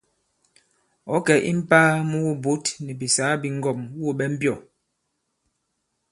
Ɔ̌ kɛ̀ i mpāa mu wubǔt nì bìsàgà bi ŋgɔ᷇m wû ɓɛ mbyɔ̂?